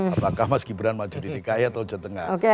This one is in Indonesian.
apakah mas gibran maju di dki atau jawa tengah